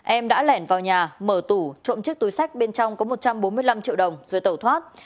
em đã lẻn vào nhà mở tủ trộm chiếc túi sách bên trong có một trăm bốn mươi năm triệu đồng rồi tẩu thoát